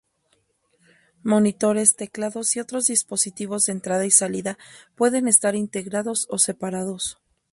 Monitores, teclados y otros dispositivos de entrada y salida pueden estar integrados o separados.